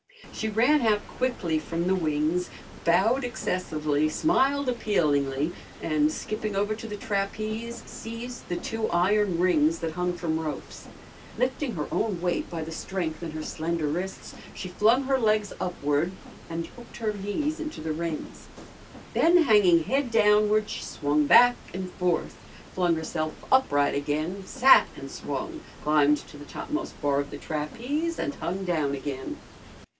She ran out quickly from the wings, bowed excessively, smiled appealingly, and, skipping over to the trapeze, seized the two iron rings that hung from ropes. Lifting her own weight by the strength in her slender wrists, she flung her legs upward and hooked her knees into the rings. Then hanging head downward she swung back and forth; flung herself upright again, sat and swung; climbed to the topmost bar of the trapeze and hung down again.